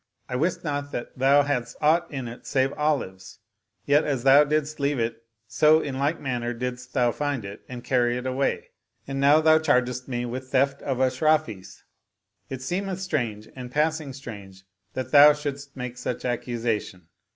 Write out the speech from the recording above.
I wist not that thou hadst aught in it save olives; yet as thou didst leave it, so in like manner didst, thou find it and carry it away ; and now thou chargest me with theft of Ashrafis. It seemeth strange and passing strange that thou shouldst make such accusation.